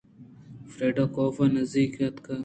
فریڈا کاف ءِ نزّیکءَ اتک